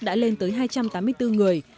đã lên tới hai trăm tám mươi bốn người